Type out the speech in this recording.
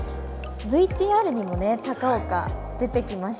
ＶＴＲにもね高岡出てきました。